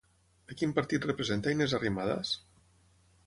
A quin partit representa Inés Arrimadas?